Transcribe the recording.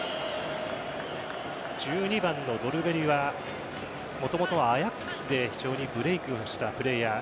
１２番のドルベリはもともとはアヤックスでブレイクしたプレーヤー。